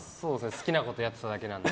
好きなことやってただけなんで。